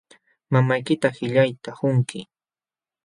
Mamaykita qillayta qunki.